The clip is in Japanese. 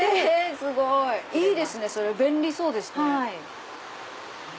すごい！いいですね便利そうですね。